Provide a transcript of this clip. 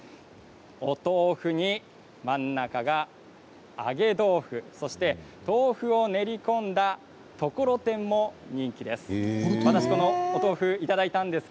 お豆腐に、真ん中が揚げ豆腐豆腐を練り込んだところてんも人気です。